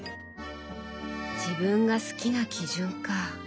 「自分が好きな基準」か。